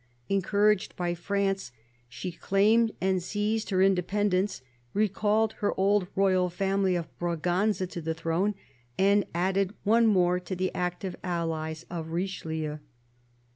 Encouraged by France, she claimed and seized her inde pendence, recalled her old royal family of Braganza to the throne, and added one more to the active allies of Richelieu.